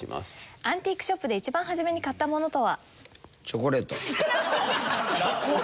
アンティークショップで一番初めに買ったものとは？